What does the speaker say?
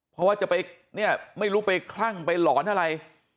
เพราะว่าจะไปเนี่ยไม่รู้ไปคลั่งไปหลอนอะไร